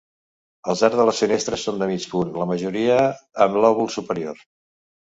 Els arcs de les finestres són de mig punt, la majoria amb lòbul superior.